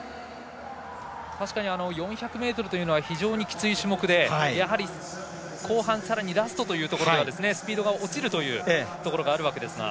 確かに４００ｍというのは非常にきつい種目で、後半さらにラストというところではスピードが落ちるというところがあるわけですが。